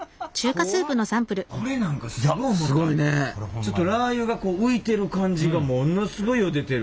ちょっとラー油がこう浮いてる感じがものすごいよう出てる。